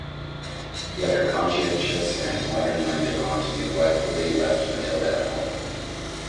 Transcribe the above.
Yet her conscientious and modern-minded aunt neglectfully left Matilda at home.